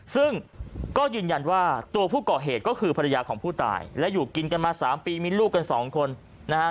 ซึ่งก็ยืนยันว่าตัวผู้ก่อเหตุก็คือภรรยาของผู้ตายและอยู่กินกันมา๓ปีมีลูกกันสองคนนะฮะ